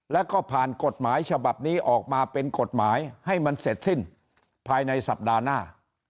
แล้วก็ผ่านกฎหมายฉบับนี้ออกมาเป็นกฎหมายให้มันเสร็จสิ้นภายในสัปดาห์หน้า